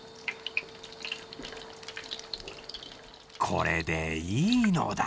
これでいいのだ。